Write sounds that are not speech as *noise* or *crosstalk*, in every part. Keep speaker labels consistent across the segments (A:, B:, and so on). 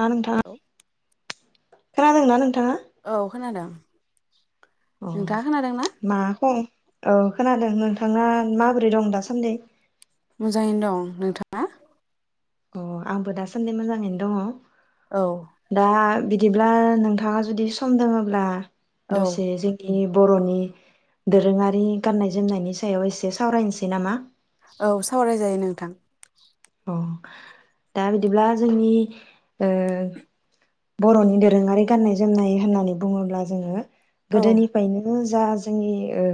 A: दा नोंथाङा
B: औ
A: खोनादों ना नोंथाङा
B: औ खोनादों।
A: अ
B: नोंथाङा खोनादों ना
A: मा खं औ खोनादों। नोंथाङा माबोरै दं दासान्दै?
B: मोजाङैनो दं। नोंथाङा?
A: अ आंबो दासान्दि मोजाङैनो दङ'।
B: औ
A: दा बि दिब्ला नोंथाङा जुदि सम दोङोब्ला
B: औ
A: दसे जोंनि बर'नि दोरोङारि गाननाय जोमनायनि सायाव एसे सावरायनोसै नामा?
B: औ सावरायजायो नोंथां। *inaudible*
A: अ दा बिदिब्ला जोंनि ओ बर'नि दोरोङारि गाननाय जोमनाय होननानै बुङोब्ला जोङो
B: औ
A: गोदोनिफायनो जा जोंनि ओ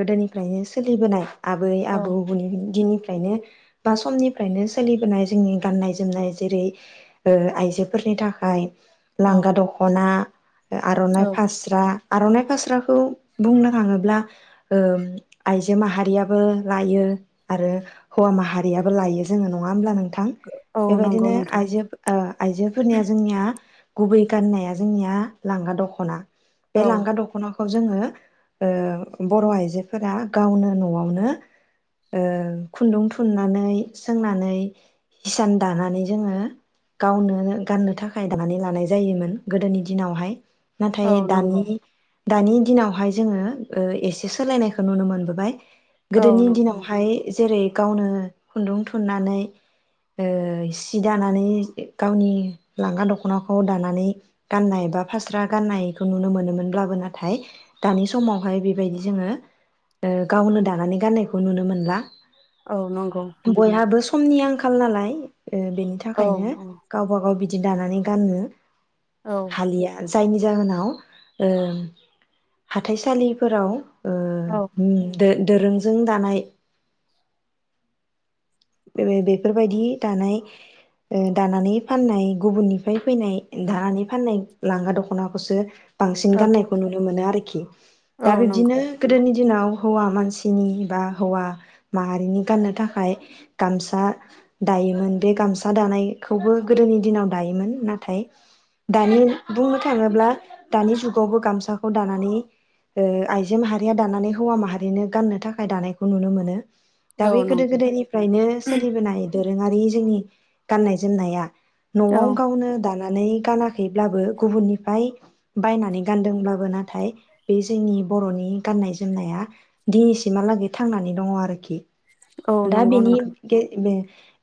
A: गोदोनिफ्रायनो सोलिबोनाय आबै
B: औ
A: आबौ बुनि दिननि फ्रायनो बा समनि फ्रायनो सोलिबोनाय जोंनि गाननाय जोमनाय जेरै ओ आइजोफोरनि थाखाय
B: औ
A: लांगा दख'ना आर'नाइ फास्रा आर'नाइ खास्राखौ बुंनो थाङोब्ला ओ आइजो माहारियाबो लायो आरो हौवा माहारियाबो लायो। जोङो नङा होमब्ला नों थां।
B: औ नंगौ
A: बेबायदिनो
B: नोंथां
A: आइजो ओ आइजोफोरनिया जोंनिया गुबै गाननाया जोंनिया लांगा दख'ना। बे
B: औ
A: लांगा दखना खौ जोङो ओ बर' आइजोफोरा गावनो न'आवनो ओ खुन्दुं थुननानै सोंनानै हिसान दानानै जोङो गावनो गाननो थाखाय दानानै लानाय जायोमोन गोदोनि दिनावहाय। नाथाय
B: औ नंगौ
A: दानि दानि दिनावहाय जोङो ओ एसे सोलायनायखौ नुनो मोनबोबाय।
B: औ
A: गोदोनि
B: नंगौ
A: दिनावहाय जेरै गावनो खुन्दुं थुननानै ओ सि दानानै गावनि लांगा दख'नाखौ दानानै गाननाय बा फास्रा गाननायखौ नुनो मोनोमोनब्लाबो नाथाय दानि समावहाय बेबायदि जोङो ओ गावनो दानानै गाननायखौ नुनो मोनला।
B: औ नं
A: बयहाबो समनि आंखाल नालाय। ओ बेनि
B: औ
A: थाखायनो
B: औ
A: गावबा गाव बि दि दानानै गाननो।
B: औ
A: हालिया। जायनि जाहोनाव ओ
B: औ
A: दोरोंजों दानाय। बे बे बेफोरबायदि दानाय ओ दानानै फाननाय गुबुननिफ्राय फैनाय दानानै फाननाय लांगा दख'नाखौसो बांसिन
B: औ
A: गान्नायखौ नुनो मोनो आरो। खि।
B: औ
A: दा बिब्दिनो
B: नंगौ
A: गोदोनि दिनाव हौवा मानसिनि बा हौवा माहारिनि गाननो थाखाय गामसा दायोमोन। बे गामसा दानायखौबो गोदोनि दिनाव दायोमोन नाथाय दानि बुंनो थाङोब्ला दानि जुगावबो गामसाखौ दानानै ओ आइजो माहारिया दानानै हौवा माहारिनो गाननो थाखाय दानायखौ नुनो मोनो। दा
B: औ
A: बे गोदो
B: नंगौ
A: गोदायनि फ्रायनो सोलिबोनाय दोरोङारि जोंनि गाननाय जोमनाया
B: औ
A: न'आव गावनो दाना नानै गानाखैब्लाबो गुबुननिफ्राय बायनानै गानदोंब्लाबो नाथाय बे जोंनि बर'नि गाननाय जोमनाया दिनैसिमहालागै थांनानै दङ आरोखि।
B: औ
A: दा
B: नंगौ
A: बेनि
B: नोंथां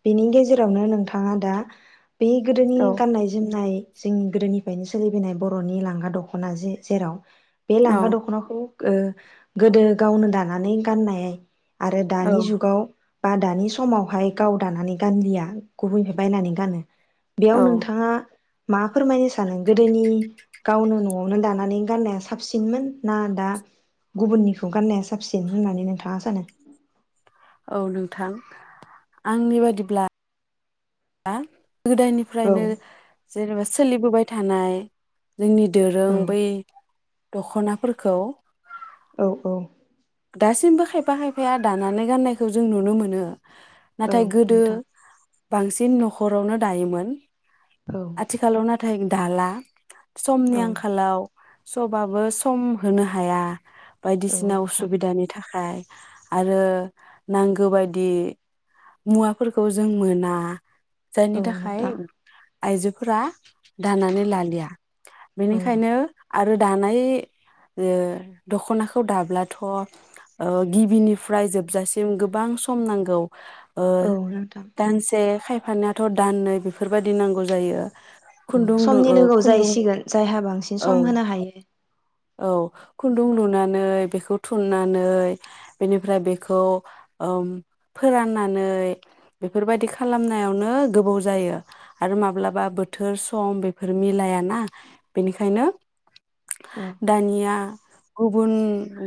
A: बेनि गेजेरावनो नोंथाङा दा बे गोदोनि
B: औ
A: गाननाय जोमनाय जोंनि गोदोनिफायनो सोलिबोनाय बर'नि लांगा दख'ना जे जेराव बे
B: औ
A: लांगा दख'नाखौ ओ गोदो गावनो दानानै गाननाय आरो
B: औ
A: दानि जुगाव बा दानि समावहाय गाव दानानै गानलिया गुबैफाय बायनानै गानो बेयाव
B: औ
A: नोंथाङा मा फोरमायनो सानो गोदोनि गावनो न'आवनो दानानै गाननाया साबसिनमोन ना दा गुबुननिखौ गाननाया साबसिन होननानै नोंथाङा सानो
B: औ नोंथां आंनि बादिब्ला आ
A: औ
B: गोदायनिफ्रायनो जेनेबा सोलिबोबाय थानाय जोंनि दोरों
A: औ
B: बै दख'नाफोरखौ
A: औ औ
B: दासिमबो खायफा खायफाया दानानै गाननायखौ जों नुनो मोनो।
A: औ
B: नाथाय गोदो
A: नोंथां
B: बांसिन न'खरावनो दायोमोन।
A: औ
B: आथिखालाव नाथाय दाला समनि
A: औ
B: आंखालाव स'बाबो सम होनो हाया
A: औ
B: बायदिसिना उस
A: नोंथां
B: नि थाखाय आरो नांगौ बायदि मुवाफोरखौ जों मोना
A: औ
B: जायनि थाखाय
A: नोंथां
B: आइजोफोरा दानानै लालिया
A: औ
B: बेनिखायनो आरो दानाय यो दख'नाखौ दाब्ला थ' गिबिनिफ्राय जोबजासिम गोबां सम नांगौ ओ
A: औ नोंथां
B: दानसे खायफानियाथ' दान्नै बेफोरबायदि नांगौ जायो।
A: औ
B: खुन्दुं लु
A: समनि
B: ओ
A: लोगोआव
B: खुन्दुं
A: जाहैसिगोन जायहा बांसिन
B: औ
A: सम होनो हायो।
B: औ खुन्दुं लुनानै बेखौ थुननानै बेनिफ्राय बेखौ ओम फोराननानै बेफोरबायदि खालामनायावनो गोबाव जायो आरो माब्लाबा बोथोर सम बेफोर मिलायाना बेनिखायनो
A: औ
B: दानिया गुबुन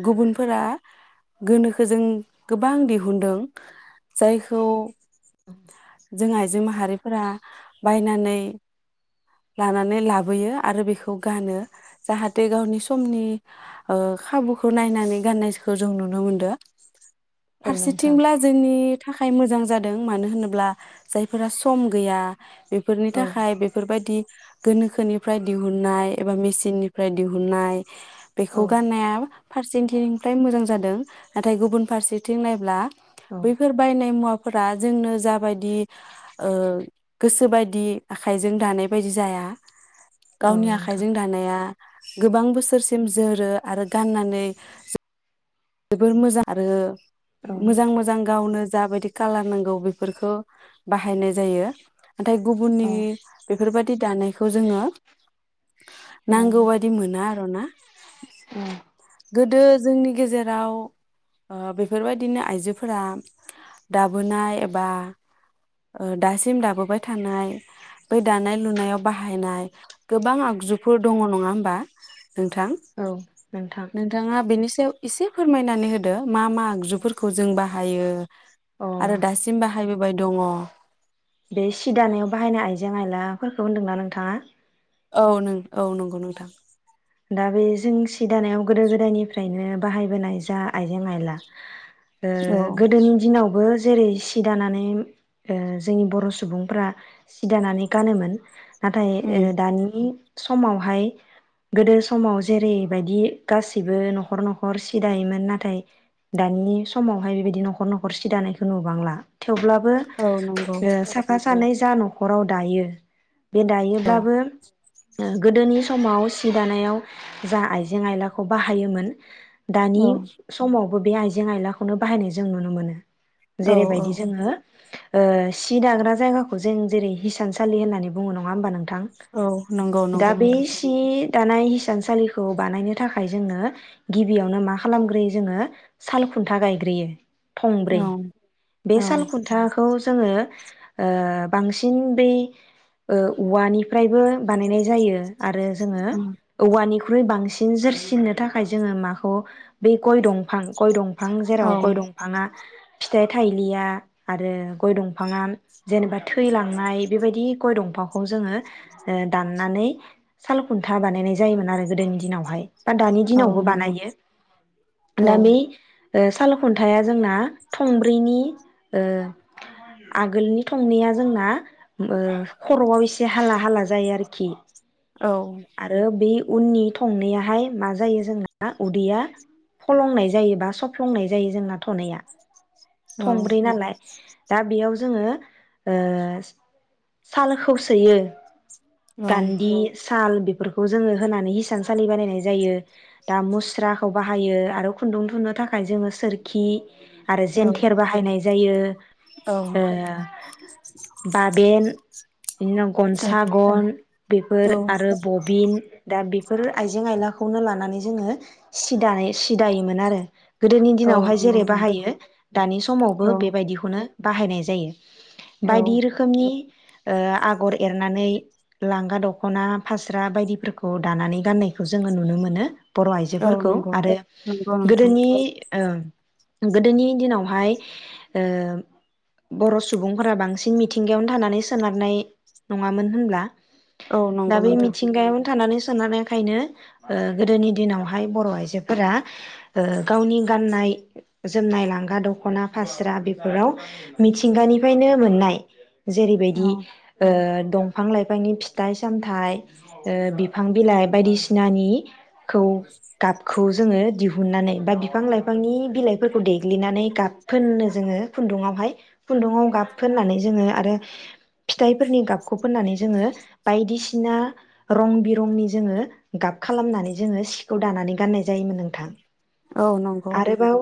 B: गुबुनफोरा गोनोखो जों गोबां दिहुन्दों जायखौ जों आइजो माहारिफोरा बायनानै लानानै लाबोयो आरो बेखौ गानो जाहाथे गावनि समनि ओ खाबु खौ नायनानै गाननायजखौ जों नुनो मोन्दो
A: औ नोंथां
B: फारसेथिंब्ला जोंनि थाखाय मोजां जादों मानो होनोब्ला जायफोरा सम गैया बेफोरनि
A: औ
B: थाखाय बेफोरबायदि गोनोखोनिफ्राय दिहुननाय एबा मेचिननिफ्राय दिहुननाय बेखौ
A: औ
B: गाननाया फारसेनथिंफ्राय मोजां जादों नाथाय गुबुन फारसेथिं नायब्ला
A: औ
B: बैफोर बायनाय मुवाफ फोरा जोंनो जाबायदि ओ गोसोबायदि आखाइजों दानाय बायदि जाया।
A: औ
B: गावनि
A: नोंथां
B: आखाइजों दानाया गोबां बोसोरसिम जोरो आरो गाननान नै ज जोबोर मोजां आरो
A: औ नोंथां
B: मोजां मोजां गावनो ज जाबायदि कालार नांगौ बेफोरखौ बाहायनाय जायो। नाथाय
A: औ नोंथां
B: गुबुननि
A: औ
B: बेफ फोरबायदि दानायखौ जोङो
A: औ
B: नांगौ बायदि मोना आर' ना। गोदो जोंनि गेजेर राव ओ बेफोरबायदिनो आइजोफोरा दाबोनाय एबा ओ दासिम दाबोबाय थानाय बै दानाय लुनायाव बाहायनाय गोबां आगजुफोर दङ नङा होमबा? नोंथां
A: नोंथां
B: नोंथाङा बेनि सो एसे फोरमायनानै होदो। मा मा आगजुफोरखौ जों बाह हायो
A: अ
B: आरो दासिम बाहायबो बाय दङ।
A: बे सि दानायाव बाहायनाय आइजें आयलाफोरखौ होनदोंना नोंथाङा?
B: औ नों औ नंगौ नोंथां।
A: दा बे जों सि दानायाव गोदो गोदायनिफ्रायनो बाहायबोनाय जा आइजें आयला ओ
B: औ
A: गोदोनि दिनावबो ज जेरै सि दानानैम ओ जोंनि बर' सुबुंफोरा सि दानानै गानोमोन। नाथाय
B: उम
A: ओ दानि समावहाय गोदो समाव जेरैबायदि गासिबो न'खर न'खर सि दायोमोन नाथाय दानि समावहाय बेबायदि न'खर न'खर सिदानायखौ नुबांला। थेवब्लाबो
B: औ नंगौ
A: ओ साफा सानै जा न'ख न'खराव दायो। बे
B: औ
A: दायोब्लाबो ओ गोदोनि समाव सि दानायाव जा आइजें आइलाखौ बाहायोमोन दानि समाव बो बे आइजें आइलाखौनो बाहायनाय जों नुनो मोनो।
B: औ
A: जेरैबायदि जोङो ओ सि दाग्रा जायगाखौ जों जेरै हिसानसालि होन्नानै बुङो नङा होनबा नों थां
B: औ नंगौ
A: दा
B: नंगौ
A: बे
B: नोंथां
A: सि दानाय हिसानसालिखौ बानायनो थाखाय जोंङो गिबियावनो मा खालामग्रोयो जोङो साल खुन्था गायग्रोयो। थंब्रै
B: औ
A: बे
B: औ
A: सालखुन्थाखौ जोङो ओ बांसिन बै ओ उवानिफ्रायबो बानायनाय जायो। आरो जोङो औवानिख्रुइ बांसिन जोरसिननो थाखाय जोङो माखौ बे गय दंफां गय दंफां जेराव
B: औ
A: गय दंफाङा फिथाइ थाइलिया आरो गय दंफाङा जेनेबा थैलांनाय बेबायदि गय दंफांखौ जोङो ओ दाननानै साल खुन्था बानायनाय जायोमोन आरो गोदोनि दिनावहाय। बा दानि
B: औ
A: दिनावबो
B: नंगौ
A: बानायो
B: औ
A: दा बे ओ साल खुन्थायाइा जोंना थंब्रैनि ओ आगोलनि थंनैया जोंना ओ खर'आव एसे हाला हाला जायो आरोखि
B: औ
A: आरो बे उननि थंनैयाहाय मा जायो जोंना उदैया फलंनाय जायो बा सफ्लंनाय जायो जोंना थनैया।
B: औ
A: थंब्रै नालाय दा बेयाव जोङो ओ सालखौ सोयो गान्दि साल बे बेफोरखौ जोङो होनानै हिसानसालि बानायनाय जायो दा मुस्राखौ बाहायो आरो खुन्दुं थुननो थाखाय जोङो सोरखि आरो जेन्थेर खौ बाहायनाय जायो
B: औ
A: ओ बा बे *inaudible* बेनि उनाव गनसा गन बेफोर
B: औ
A: आरो बबिन दा बेफोर आइजें आयलाखौनो लानानै जोङो सि दानाय सि दायोमोन आरो गोदोनि
B: औ
A: दिनावहाय
B: नंगौ
A: जेरै
B: नोंथां
A: बाहायो। दानि समावबो
B: औ
A: बेबायदिखौनो बाहायनाय जायो।
B: औ
A: बायदि रोखोमनि ओ आगर एरनानै लांगा दख'ना फास्रा बायदिफोरखौ दानानै गाननायखौ जोङो नुनो मोनो। बर'
B: औ
A: आइजोफोरखौ
B: नंगौ
A: आरो
B: नंगौ नोंथां
A: गोदोनि ओ गोदोनि दिनाव हाय ओ बर' सुबुंफोरा बांसिन मिथिंगायावनो थानानै सोनारनाय नङामोन होनब्ला?
B: औ
A: दा
B: नंगौ
A: बे
B: नोंथां
A: मिथिंगायाव थानानै सोनारनायखायनो ओ गोदोनि दिनावहाय बर' आइजोफोरा ओ गावनि गाननाय जोमनाय लांगा दख दख'ना फास्रा बेफोराव मिथिंगानिफ्रायनो मोननाय। जेरैबायदि
B: औ
A: ओ दंफां लाइफांनि फिथाइ सामथाइ ओ बिफां बिलाइ बायदिसिनानि खौ गाबखौ जोङो दिहु हुननानै बा बिफां लाइफांनि बिलाइफोरखौ देग्लिनानै गाब फोननो जोङो खुन्दुङावहाय खुन्दुङाव गाब फोननानै जोङो आरो फिथाइफोरनि गाबखौ फोननानै जोङो बायदिसिना रं बिरंनि जोङो गाब खालामनानै जोङो सिखौ दानानै गाननाय जायोमोन नोंथां।
B: औ नंगौ।
A: आरोबाव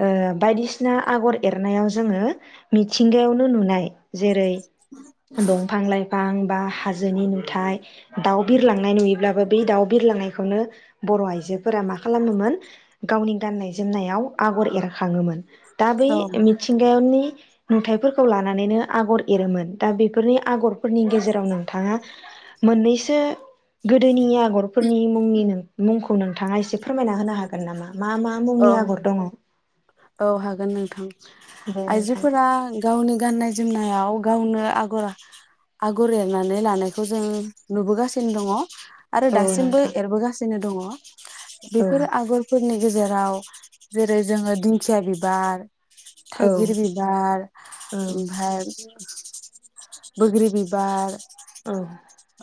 A: ओ बायदिसि सिना आगर एरनायाव जोङो मिथिंगायावनो नुनाय जेरै दंफां लाइफां बा हाजोनि नुथाय दाउ बिरलांनाय नुयोब्लाबो बै दाउ बिरलांनायखौनो बर' आइजोफोरा मा खालामोमोन गावनि गाननाय जोमनायाव आगर एरखाङोमोन। दा बै
B: औ
A: मिथिंगायावनि नुथायाइफोरखौ लानानैनो आगर एरोमोन दा बेफोरनि आगरफोरनि गेजेराव नोंथाङा मोननैसो गोदोनि आगर फोरनि मुंनि मुंखौ नोंथाङा इसे फोरमायना होनो हागोन नामा? मा मा
B: औ
A: मुंनि आगर दङ?
B: औ हागोन नोंथां।
A: दे नोंथां
B: आइजोफोरा गावनि गाननाय जोमनायाव गावनो आगर आगर एरनानै लानायखौ जों नुबोगासिनो दङ। आरो
A: औ
B: दासिमबो
A: नोंथां
B: एरबोगास सिनो दङ।
A: औ
B: बेफोर आगरफोरनि गेजेराव जेरै जोङो दिंखिया बिबार
A: औ
B: थाइागिर बिबार
A: औ
B: ओमफाय बोग्रि बिबार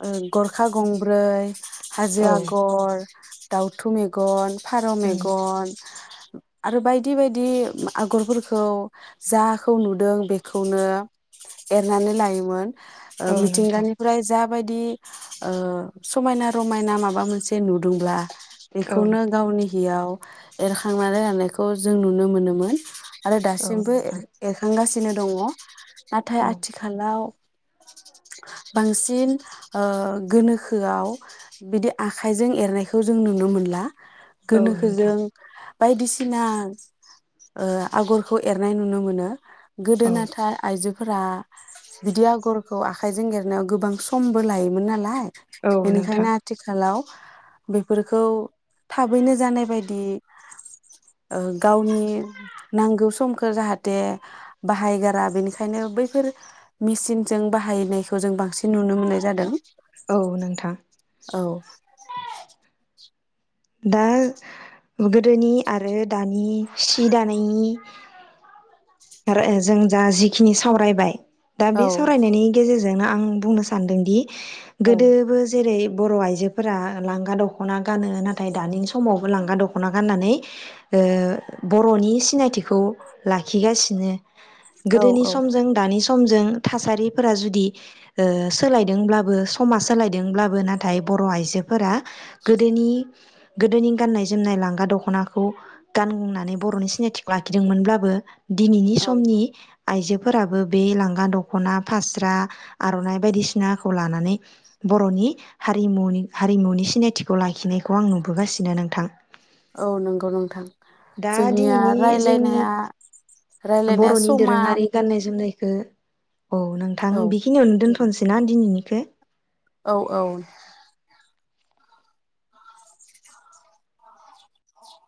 B: ओं गरखा गंब्रै हाजो
A: औ
B: आगर दाउथु मेगन फारौ
A: औ
B: मेगन आरो बाय यदि बायदि आगरफोरखौ जाखौ नुदों बेखौनो एरनानै लायोमोन ओ
A: औ नोंथां
B: मिथिंगानिफ्राय जाब बायदि ओ समायना रमायना माबा मोनसे नुदोंब्ला
A: औ
B: बेखौनो गावनि गियाव एरखांनानै लानायखौ जों नुनो मोनोमोन आरो
A: औ
B: दासिमबो
A: नोंथां
B: ए-एरखांगासिनो बिनो दङ नाथाय
A: औ
B: आथिखालाव बांसिन ओ गोनोखोआव बिदि आखाइजों एरनायखौ जों नुनो मोनला
A: औ नोंथां
B: गोनोखोजों बायदिसिना ओ आगरखौ एरनाय नुनो मोनो गोदो
A: औ
B: नाथा आइजो फोरा बिदि आगरखौ आखायजों एरनायाव गोबां समबो लायोमोन नालाय
A: औ नोंथां
B: बेनिखायनो आथिखालाव बेफोरखौ थाबैनो जानाय बायदि ओ गावनि नांगौ समखौ फोर जाहाथे बाहायगारा बेनिखायनो बैफोर मेसिनजों बाहायनायखौ जों बांसिन नुनो मोननाय जादों
A: औ नोंथां
B: औ
A: दा गोदोनि आरो दानि सि दानायनि आरो ओ जों जा जिखिनि सावरायबाय दा बे
B: औ
A: सावरायनायनि गेजेरजों जों आं बुंनो सान्दोंदि
B: औ
A: गोदोबो जेरै बर' आइजोफोरा लांगा दख'ना गानो नाथाय दानि समावबो लांगा दख'ना गाननानै ओ बर'नि सिनायथिखौ लाखिगासिनो। नो गोदोनि
B: औ
A: समजों दानि सम समजों थासारिफोरा जुदि ओ सोलायदोंब्लाबो समा सोलायदोंब्लाबो नाथाय बर' आइजोफोरा गोदोनि गोदोनि गाननाय जोमनाय लांगा दख'नाखौ गाननानै बर'नि सिनायथिखौ लाखिदोंमोनब्लाबो दिनैनि
B: औ
A: समनि आइजोफोराबो बे लांगा दख'ना फास्रा आर'नाइ बायदिसिनाखौ लानानै बर'नि हारिमुनि हारिमुनि सिनायथिखौ लाखिनायखौ आं नुबोगासिनो नोंथां।
B: औ नंगौ नोंथां
A: दा
B: जोंनिया
A: दिनैनि जोंनि
B: रायलायनाया रायलायनाया
A: बर'नि
B: समा
A: दोरोङारि गाननाय जोमनाय गो औ नोंथां
B: औ
A: बेखिनियावनो दोनथ' थोनोसैना दिनैनिखो
B: औ औ